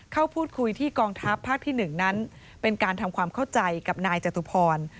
เข้าพูดคุยที่กองทัพภาคที่๑นั้นเป็นการทำความเข้าใจกับนายจตุพร